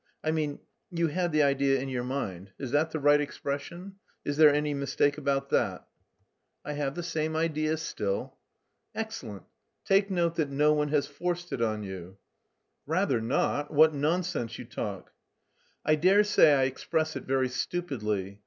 I mean, you had the idea in your mind. Is that the right expression? Is there any mistake about that?" "I have the same idea still." "Excellent. Take note that no one has forced it on you." "Rather not; what nonsense you talk." "I dare say I express it very stupidly.